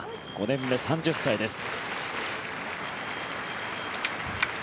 ５年目、３０歳です。